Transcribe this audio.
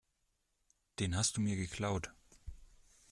Den hast du mir geklaut.